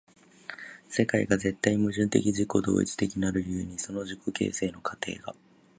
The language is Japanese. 世界が絶対矛盾的自己同一的なる故に、その自己形成の過程が